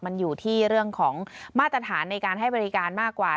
มันอยู่ที่เรื่องของมาตรฐานในการให้บริการมากกว่า